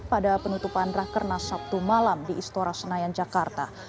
pada penutupan rakernas sabtu malam di istora senayan jakarta